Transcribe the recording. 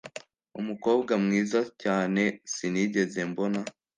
Umukobwa mwiza cyane sinigeze mbona